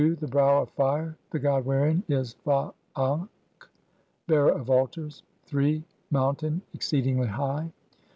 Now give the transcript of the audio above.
' J) "The brow of fire ; the god wherein is Fa akh "(Bearer of altars)." III. [ pO 1 "Mountain, exceedingly high."